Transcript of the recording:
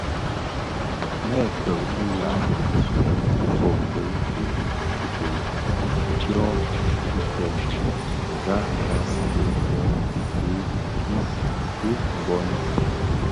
Merke wu nlan dhifombi di kibèè dyo bigtèn nghaghasiyen bon bë nki di Mbono.